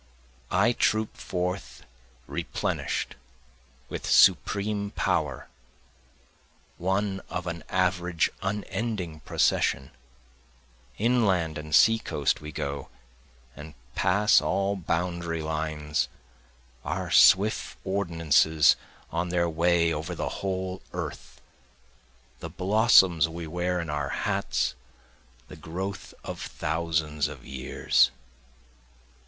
I troop forth replenish'd with supreme power, one of an average unending procession, Inland and sea coast we go, and pass all boundary lines, Our swift ordinances on their way over the whole earth, The blossoms we wear in our hats the growth of thousands of years.